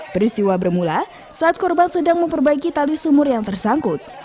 peristiwa bermula saat korban sedang memperbaiki tali sumur yang tersangkut